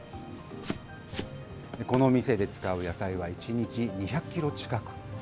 この店で使う野菜は１日２００キロ近く。